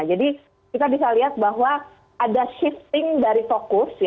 jadi kita bisa lihat bahwa ada shifting dari fokus